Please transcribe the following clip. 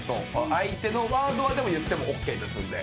相手のワードはでも言ってもＯＫですんで。